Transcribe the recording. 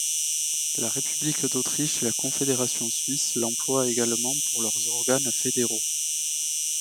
La République d’Autriche et la Confédération suisse l’emploient également pour leurs organes fédéraux.